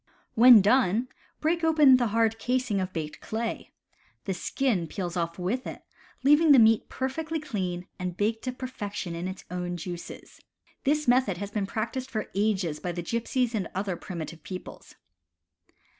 When done, break open the hard casing of baked clay. The skin peels off with it, leaving the meat per fectly clean and baked to perfection in its own juices. This method has been practiced for ages by the gypsies and other primitive peoples.